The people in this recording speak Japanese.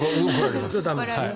それは駄目ですね。